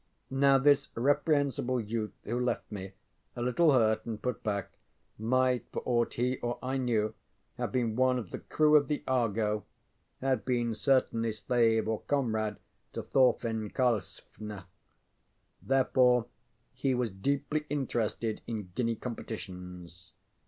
ŌĆØ Now this reprehensible youth who left me, a little hurt and put back, might for aught he or I knew have been one of the crew of the Argo had been certainly slave or comrade to Thorfin Karlsefne. Therefore he was deeply interested in guinea competitions.